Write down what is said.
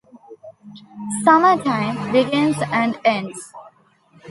Summer Time, begins and ends.